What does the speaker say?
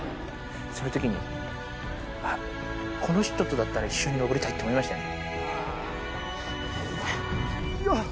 そういうときに、あっ、この人とだったら一緒に登りたいって思いましたよね。